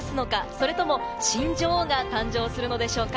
それとも新女王が誕生するのでしょうか。